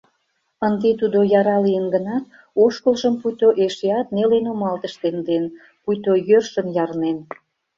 Ынде тудо яра лийын гынат, ошкылжым пуйто эшеат неле нумалтыш темден, пуйто йӧршын ярнен.